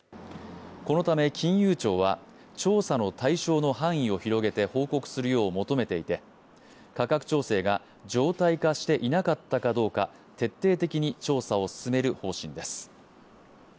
このため金融庁は調査の対象の範囲を広げて報告するよう求めていて価格調整が常態化していなかったかどうか徹底的に調査を進める方針です。